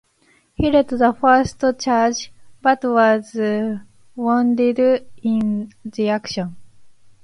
He led the first charge, but was wounded in the action.